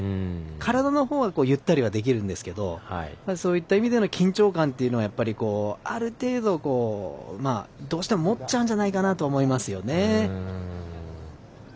体のほうはゆったりできるんですけどそういった意味での緊張感というのは、ある程度どうしても持っちゃうんじゃないかなと思いますよね。